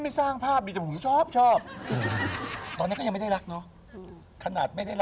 คุณพ่อของคุณสวนนาเนี่ย